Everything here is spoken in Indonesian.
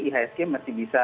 ihsg masih bisa